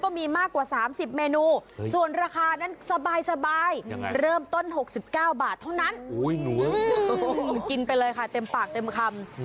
กินไปเลยค่ะเต็มปากเต็มคำ